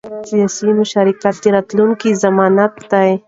سیاسي مشارکت د راتلونکي ضمانت دی